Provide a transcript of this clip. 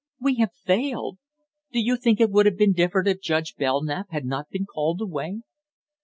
"We have failed. Do you think it would have been different if Judge Belknap had not been called away?"